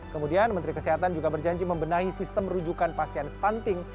kemudian menteri kesehatan juga berjanji membenahi sistem rujukan pasien stunting